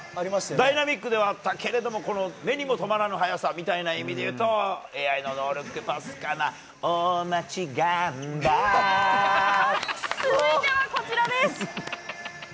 ダイナミックではあったけど目にも留まらぬ速さという意味で言うとＡＩのノールックパスのほうが続いてはこちらです。